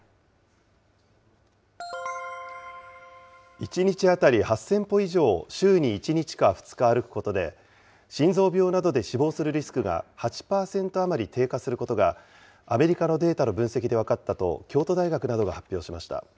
１日当たり８０００歩以上を週に１日か２日歩くことで、心臓病などで死亡するリスクが８％余り低下することが、アメリカのデータの分析で分かったと、京都大学などが発表しました。